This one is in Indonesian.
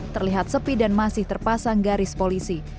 terlihat sepi dan masih terpasang garis polisi